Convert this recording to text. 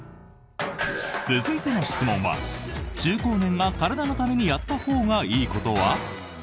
続いての質問は中高年が体のためにやったほうがいいことは？